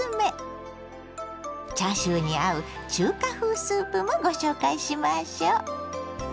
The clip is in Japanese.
チャーシューに合う中華風スープもご紹介しましょ。